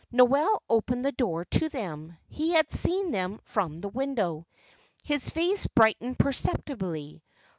Noel opened the door to them; he had seen them from the window; his face brightened perceptibly.